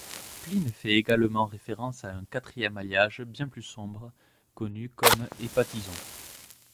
Pline fait également référence à un quatrième alliage, bien plus sombre, connu comme hepatizon.